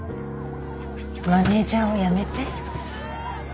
マネジャーを辞めて。